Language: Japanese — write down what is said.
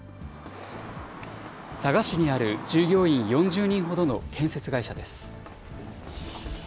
佐賀市にある従業員４０人ほどの建設会社です。